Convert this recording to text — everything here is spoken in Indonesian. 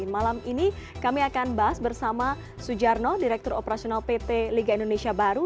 malam ini kami akan bahas bersama sujarno direktur operasional pt liga indonesia baru